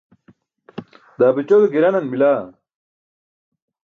Daa be ćodo giranan bilaa?